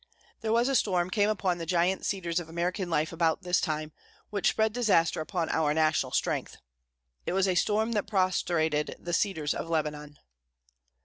There was a storm came upon the giant cedars of American life about this time, which spread disaster upon our national strength. It was a storm that prostrated the Cedars of Lebanon.